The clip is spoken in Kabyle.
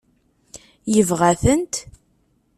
Yebɣa-tent?